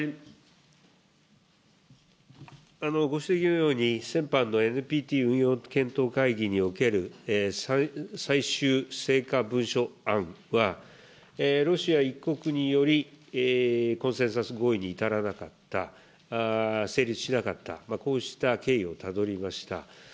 ご指摘のように、先般のＮＰＴ運用検討会議における最終成果文書案は、ロシア一国により、コンセンサス合意に至らなかった、成立しなかった、こうした経緯をたどりました。